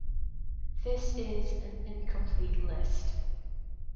"This is an incomplete list"